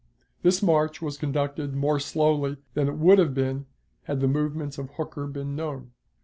This march was conducted more slowly than it would have been had the movements of Hooker been known.